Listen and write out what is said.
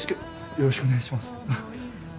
よろしくお願いします。